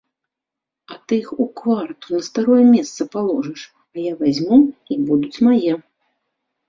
Ты іх у кварту на старое месца паложыш, а я вазьму, і будуць мае.